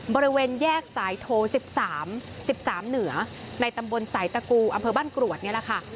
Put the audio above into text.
บริเวณแยกสายโท๑๓๑๓เหนือในตำบลสายตะกูอำเภอบ้านกรวดนี่แหละค่ะ